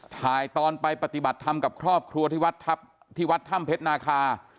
ถ่ายตอนไปปฏิบัติธรรมกับครอบครัวที่วัดทัพที่วัดถ้ำเพชรนาคา